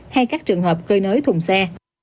hay các trường hợp cơi nới thùng xe